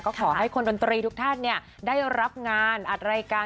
ก็ขอให้คนดนตรีทุกท่านได้รับงานอัดรายการ